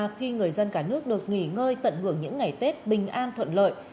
khi người dân cả nước được nghỉ ngơi tận hưởng những ngày tết bình an thuận lợi